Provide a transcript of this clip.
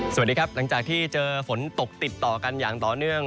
สวัสดีครับหลังจากที่เจอฝนตกติดต่อกันอย่างต่อเนื่อง